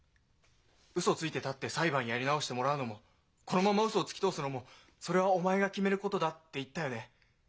「ウソついてたって裁判やり直してもらうのもこのままウソをつき通すのもそれはお前が決めることだ」って言ったよね？